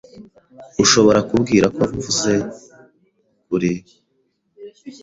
Ushobora kubwira ko mvuze ukuri?